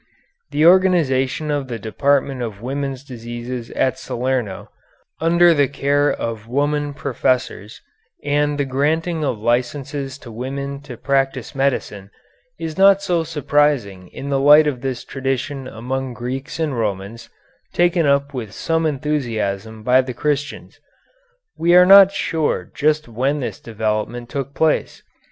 The organization of the department of women's diseases at Salerno, under the care of women professors, and the granting of licenses to women to practise medicine, is not so surprising in the light of this tradition among Greeks and Romans, taken up with some enthusiasm by the Christians. We are not sure just when this development took place.